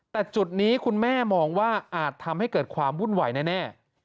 แต่จุดนี้คุณแม่มองว่าอาจทำให้เกิดความวุ่นวายแน่